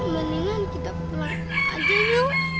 mendingan kita pulang aja yuk